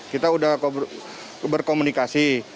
kita sudah berkomunikasi